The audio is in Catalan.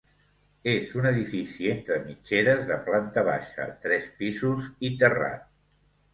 És un edifici entre mitgeres de planta baixa, tres pisos i terrat.